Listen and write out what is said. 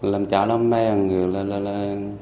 làm cha làm mẹ